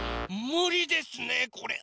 ムリですねこれ。